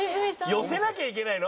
寄せなきゃいけないの？